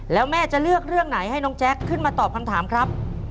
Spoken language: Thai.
แล้วแม่จะเลือกเรื่องไหนให้น้องแจ๊คขึ้นมาตอบคำถามครับ